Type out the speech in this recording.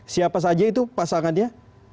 siapa saja itu pasangannya